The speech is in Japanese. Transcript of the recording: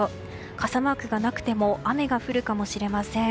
傘マークがなくても雨が降るかもしれません。